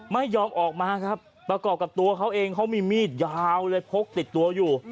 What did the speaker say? ไม่ยอมออกมาครับประกอบกับตัวเขาเองเขามีมีดยาวเลยพกติดตัวอยู่